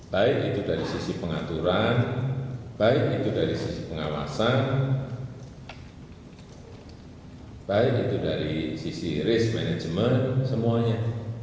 baik itu dari sisi pengaturan baik itu dari sisi pengawasan baik itu dari sisi risk management semuanya